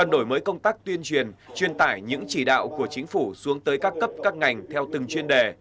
đổi mới công tác tuyên truyền truyền tải những chỉ đạo của chính phủ xuống tới các cấp các ngành theo từng chuyên đề